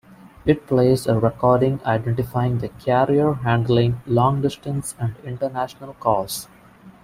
It plays a recording identifying the carrier handling long distance and international calls.